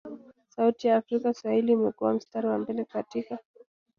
sauti ya afrika Swahili imekua mstari wa mbele katika